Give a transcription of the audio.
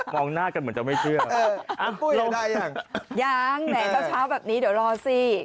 มองหน้ากันเหมือนจะไม่เชื่อปุ้ยได้หรือยังยังแม่เช้าแบบนี้เดี๋ยวรอสิ